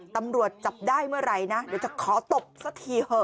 ตำรวจจับได้เมื่อไหร่นะเดี๋ยวจะขอตบสักทีเถอะ